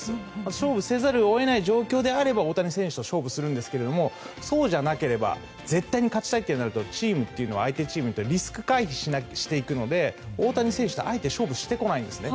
勝負せざるを得ない状況であれば大谷選手と勝負するんですがそうじゃなければ絶対に勝ちたいとなると相手チームというのはリスク回避していくので大谷選手とあえて勝負してこないんですね。